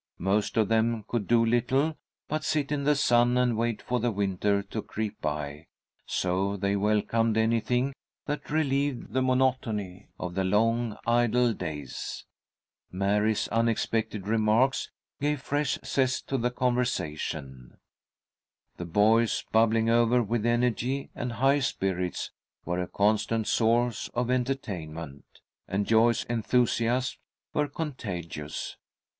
Most of them could do little but sit in the sun and wait for the winter to creep by, so they welcomed anything that relieved the monotony of the long idle days. Mary's unexpected remarks gave fresh zest to the conversation. The boys, bubbling over with energy and high spirits, were a constant source of entertainment, and Joyce's enthusiasms were contagious.